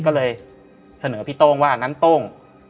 ก็เลยเสนอพี่โต้งว่านั้นโต้ง